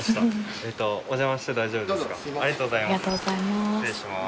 ありがとうございます。